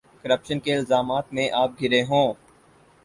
Corruption کے الزامات میں آپ گھرے ہوں۔